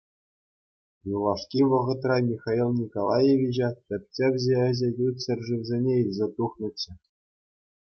Юлашки вӑхӑтра Михаил Николаевича тӗпчевҫӗ ĕçĕ ют ҫӗршывсене илсе тухнӑччӗ.